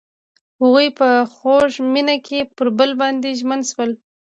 هغوی په خوږ مینه کې پر بل باندې ژمن شول.